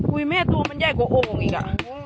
แม่ตัวมันใหญ่กว่าโอ่งอีกอ่ะ